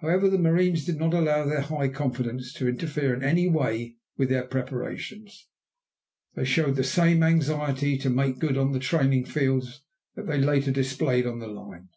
However, the marines did not allow their high confidence to interfere in any way with their preparations. They showed the same anxiety to make good on the training fields that they later displayed on the line.